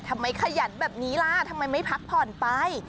ขยันแบบนี้ล่ะทำไมไม่พักผ่อนไป